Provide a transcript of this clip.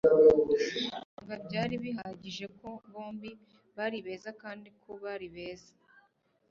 nanga. byari bihagije ko bombi bari beza kandi ko bari beza